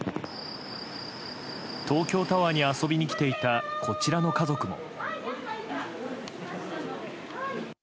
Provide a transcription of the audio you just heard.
東京タワーに遊びに来ていたこちらの家族も。